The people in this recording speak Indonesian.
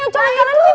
coba rena tuh